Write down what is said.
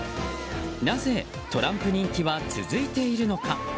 なぜ、トランプ人気は続いているのか。